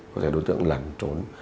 có thể đối tượng lẩn trốn